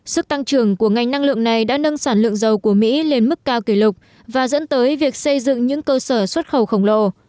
sức tăng trưởng của ngành năng lượng này đã nâng sản lượng dầu của mỹ lên mức cao kỷ lục và dẫn tới việc xây dựng những cơ sở xuất khẩu khổng lồ